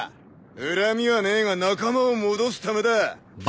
恨みはねえが仲間を戻すためだ。